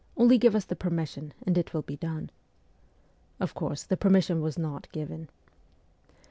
Only give us the permission, and it will be done.' Of course the permission was not given.